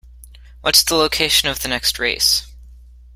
What's the location of the next race?